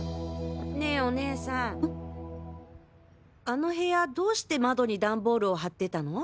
あの部屋どうして窓に段ボールを貼ってたの？